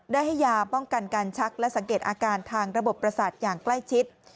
ได้ให้ยาป้องกันการชักและสังเกตอาการทางระบบประสาทอย่างใกล้ชิด